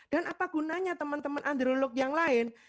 dan apa gunanya teman teman androlog yang lain